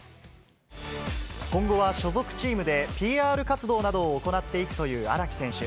今後は所属チームで、ＰＲ活動などを行っていくという荒木選手。